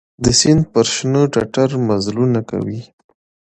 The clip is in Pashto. د سیند پر شنه ټټر مزلونه کوي